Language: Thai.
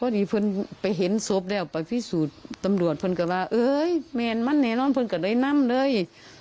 ดีเพื่อนไปเห็นศพแล้วไปพิสูจน์ตำรวจเพื่อนก็ว่าเอ้ยแมนมันแน่น้องเพื่อนก็เลยนำเลย